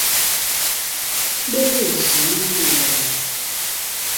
Berizal